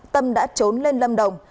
tâm đã trốn lên lâm đồng